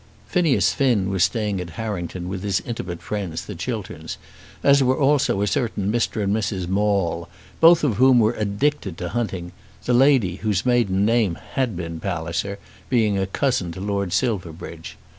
Phineas Finn was staying at Harrington with his intimate friends the Chilterns, as were also a certain Mr. and Mrs. Maule, both of whom were addicted to hunting, the lady, whose maiden name had been Palliser, being a cousin to Lord Silverbridge.